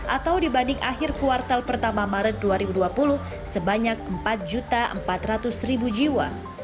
atau dibanding akhir kuartal pertama maret dua ribu dua puluh sebanyak empat empat ratus jiwa